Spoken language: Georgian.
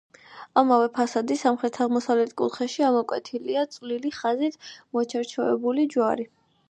ამავე ფასადის სამხრეთ-აღმოსავლეთ კუთხეში ამოკვეთილია წყვილი ხაზით მოჩარჩოებული ჯვარი.